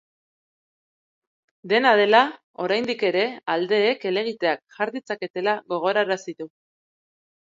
Dena dela, oraindik ere aldeek helegiteak jar ditzaketela gogorarazi du.